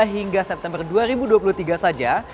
hingga september dua ribu dua puluh tiga saja